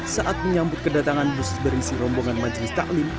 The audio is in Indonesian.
saat menyambut kedatangan bus berisi rombongan majelis taklim